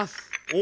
お。